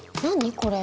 これ。